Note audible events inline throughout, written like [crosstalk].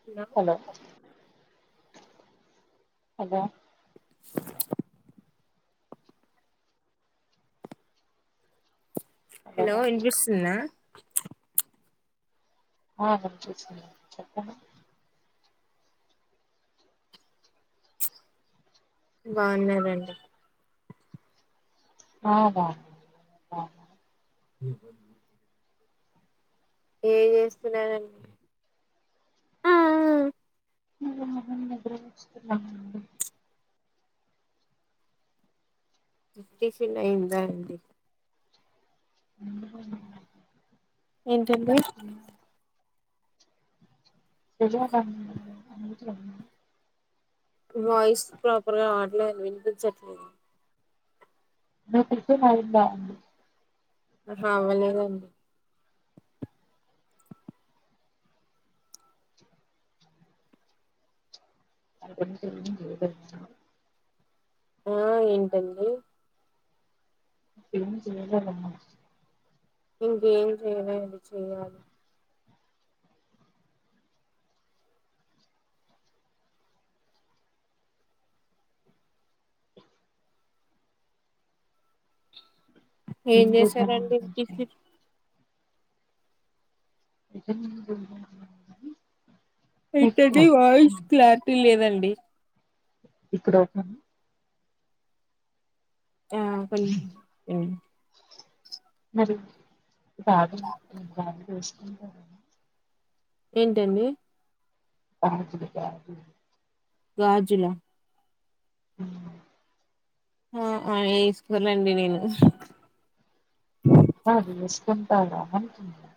Hello hello hello hello వినిపిస్తుందా ఆ వినిపిస్తుంది చెప్పు బాగున్నారా అండి ఆ బాగున్నా ఏం చేస్తున్నారండి మీరు మహన్ నగరం కుచ్చుతున్నాం టిఫిన్ అయిందా అండి అ [unintelligible] వాయిస్ ప్రాపర్ గా రాట్లేదు వినిపించట్లేదు మీ టిఫిన్ అయిందా ఆహా అవ్వలేదండి అ తె ఒ ఏంటండి ఎమ్ చెయలేదమ్మ [unintelligible] ఏం చేద్దాం చేశారండి అనుకుంటే టిఫిన్ [unintelligible] మీకు ఏంటండి వాయిస్ క్లారిటీ లేదండి ఇప్పుడు ఓకేనా ఆ కొంచ్ మరి గాజులు గాజులెసుకుంటారా ఏంటండి గాజులు గాజులు గాజులా అ ఆ అ ఏసుకోనండి నేను కాదు ఎస్కుంటారా అంటున్నా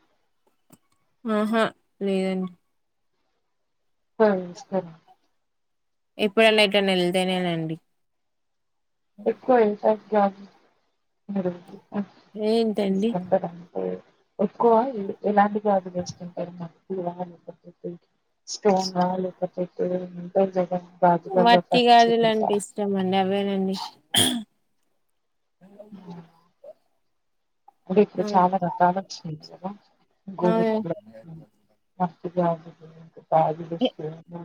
అహా లేదండి ప్పుడు ఏసుకోరా ఎప్పుడన్నా ఎటన్న ఎళ్తేనేనండి ఎక్కువ [unintelligible] ఏంటండి ఎక్కువ ఎలా ఎలాంటి గాజూలెసుకుంటారు మట్టివా లేకపోతే స్టోన్వా లేకపోతె [unintelligible] ఇష్టమండి అవేనండి అంటే ఇప్పుడు చాలా రకాలు వచ్చినై కదా అవును గోవెజ్ గాజులు మట్టి గాజులు గాజులెసుకుంటే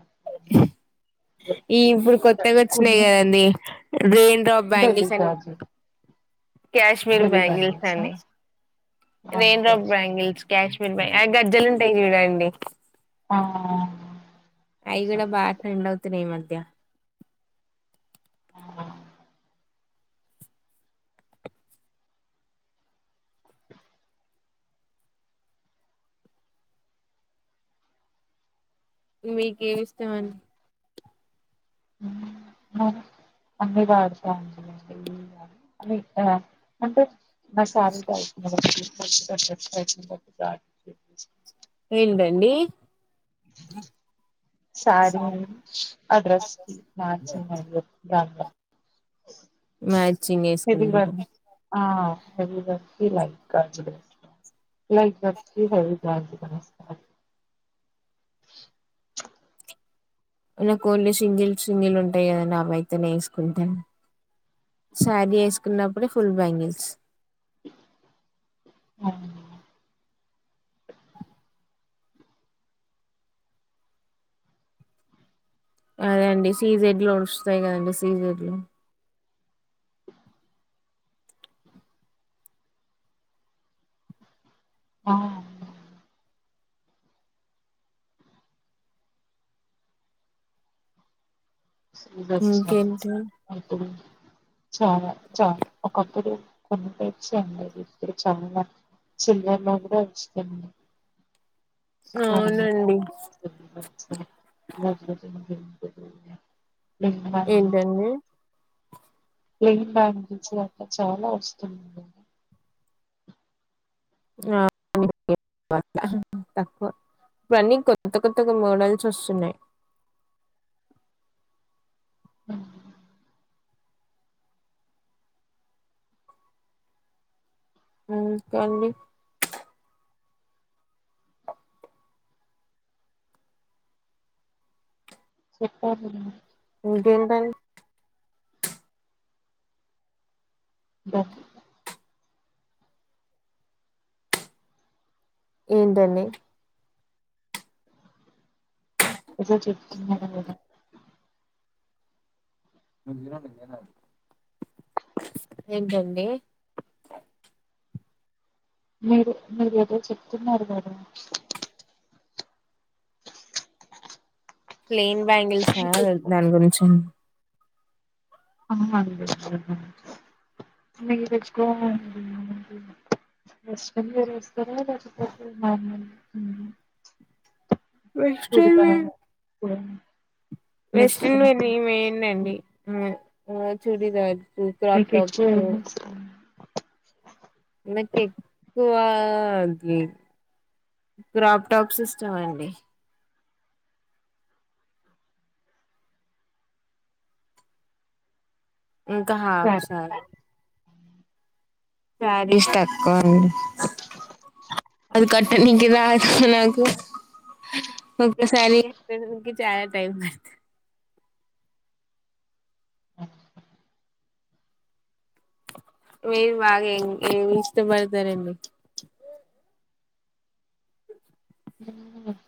ఈ ఇప్పుడు కొత్తగా వచ్చినాయి కదండి రెయిన్ డ్రాప్ ఢిల్లీ బ్యాంగిల్స్ అని గాజు కశ్మీర్ ఢిల్లీ బ్యాంగల్స్ బంగిల్సా అండి ఆ రైన్ డ్రాప్ గాజులు బ్యాంగల్స్ కశ్మి శ్మిమీర్ బ్యాంగి ఆ గజ్జెలంటయి చూడండి ఆ అవునా అయి గూడా బా ట్రేండ్ అవుతున్నాయి ఈ మధ్య ఆ మి కేమిస్టమండి అ మరి అన్ని వాడతా అండి [unintelligible] ఆ అంటే మ సారిగ [unintelligible] ఏంటండి సారీ ఆ డ్రెస్కి మచింగ్ అయినై అ బాగిల్ మ్యాచింగ్ హెవీ వేసుకుంటార వర్క్ ఆ హెవీ వర్కు లైట్ గాజులు లైట్ వర్కు హెవీ గాజులు ఏసుకోవాలి [inaudible] నా ఓన్లీ సింగిల్ సింగిల్ ఉంటాయి కదండి అవ్వైతేనే వెసుకుంటాను శారీ ఏసుకున్నప్పుడు ఫుల్ బ్యాంగిల్స్ అవునా అదే అండి సీజెడ్లు వస్తాయి కదండి సీజెడ్లు [inaudible] ఆ ఇంకేంటి అప్పుడు చాలా చాల ఒకప్పుడు కొన్ని టైప్స్ అండి ఇద్ద చాలా చిల్లల్లో కూడా మాస్తు అవునండి మ ఏంటండి ప్లెయిన్ బ్యాంగీల్స్ అట్లా చాలా వస్తు ఆ తక్కువ ఇప్పుడు అన్ని కొత్త కొత్తగా మోడల్స్ వస్తున్నాయి ఆ ఆండీ చెప్పకదా ఇంకా ఏంటండీ బస్ ఏంటండీ ఒకసారి చెప్పు ఆట గాదా లేన ఏంటండి మీరు మీరు ఏదో చెప్తున్నారు. కదా ప్లెయిన్ బ్యాంగిల్ మీకు సార్ ఎక్కువ దాని గురించి మేము తెచ్చుకోవండి [unintelligible] వస్తారా లేకపోతే మములు ఇది వెస్ట్రన్ కదా వే వెస్ట్రన్ వేర్ ఏం ఏయను అండి ఒక చూడీధర్ చూ మీకు ఎక్కువ కప్టాప్స్ ఏమి ఇష్టం నాకు ఎక్కువ అది క్రాప్ టాప్స్ ఇష్టం అండి ఇంకా హాఫ్ సరే, సారీ చారిస్ టక్కన్ అది కట్టనీకిదా అది నాకు ఒక సారి చాల టైమ్ పడుతది అఓ మీరు బాగా ఏం ఏమి ఇష్టపడతారండి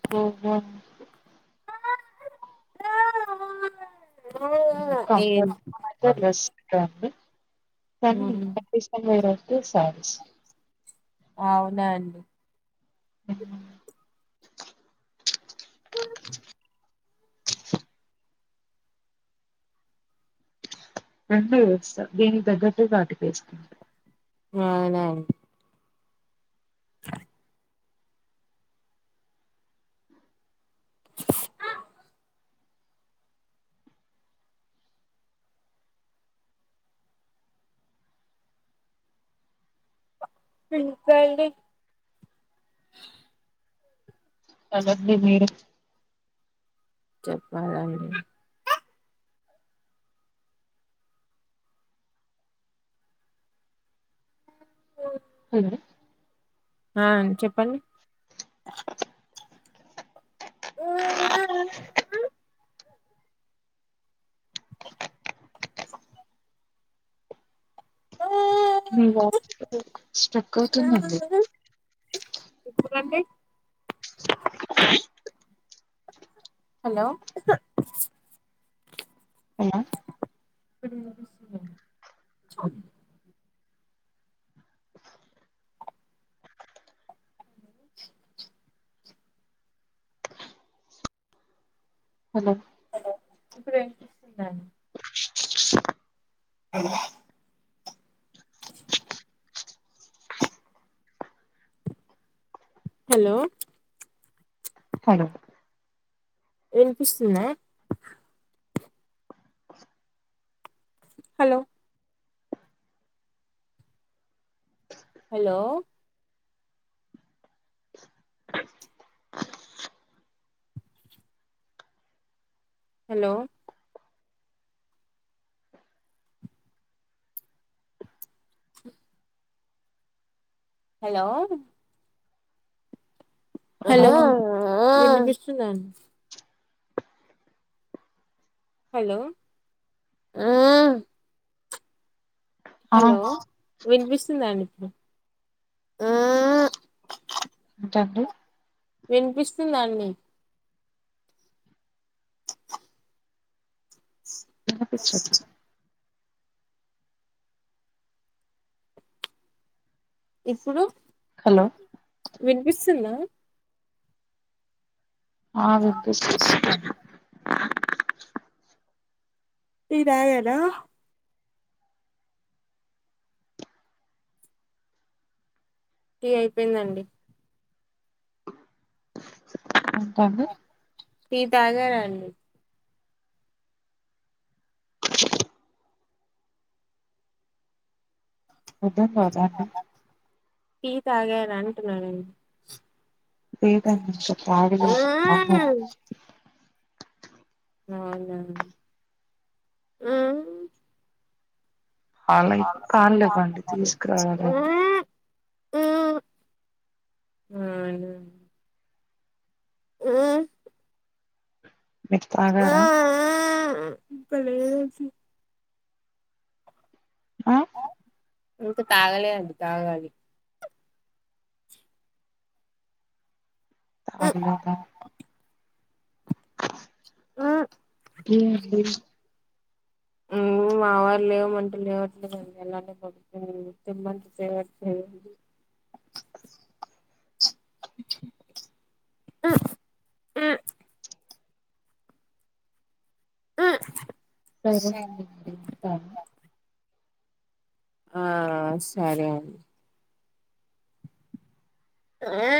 కొబా [unintelligible] ఏం ఆండీ సారీస్ అవునా అండి హ్ అ రెండో వ్యవస్థ దీనికి తగ్గట్టు వాటికేసుకుంటది. [unintelligible] [unintelligible] అల గది మీరు చెప్పాలండి పొం అవున ఆ చెప్పండి. ఆ ఆ ఆ ఆ మీ వాయిస్ స్ట్రక్ అవుతుందండి. One day hello! అవున మీరు ఏం చేస్తున్నరు? హలో ఇప్పుడ్ ఏం చేస్తున్నార్ [unintelligible] హలో! హలో విన్పిస్తుందా? Hello! Hello! Hello! Hello! Hello విన్పిస్తుందా అన్ హలో! ఆ హలో విన్పిస్తుందా అండి ఇప్పుడు ఏంటండి విన్పిస్తుందా అండి వినిపిచ్చట్ల ఇప్పుడు హలో! విన్పిస్తుందా? ఆ వినిపిస్తుం టీ తాగారా? టీ అయిపోయిందండి. ఉంటాను. టీ తాగారా అండి? పొద్దున్ దాగ అండి. టీ తాగారా అంటున్న నన్ లేదండి ఇంక తాగలేదు అవునా తాగాలి. అవునా అలాయితే కాలేవండి అవును తీసుకురావాలండి తాగుతున్నారు మ్ మ్ మీర్ తాగారా? ఇంకా [unintelligible] ఆ ఇంకా తాగలే అండి తాగాలి తాగలేదా ఏమండి హ్మ్ మా వాళ్ళు లేవ మంటే లేవట్లే అన్ [inaudible] హ్మ్ హ్మ్ హ్మ్మ్ సరే అండి ఇంగుంట ఆ సరే అన్ ఆ